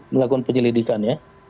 melakukan penyelidikan ya